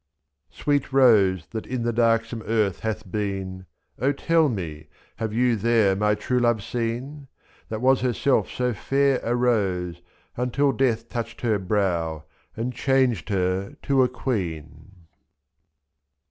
Sweet rose that in the darksome earth hath been, O tell me — have you there my true love seen ? 2/ y. That was herself so fair a rose, until Death touched her brow and changed her to a queen.